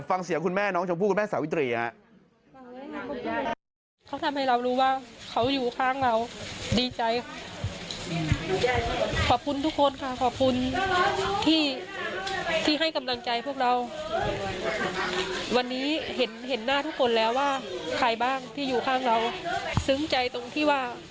ฟังเสียงคุณแม่น้องชมพู่คุณแม่สาวิตรีฮะ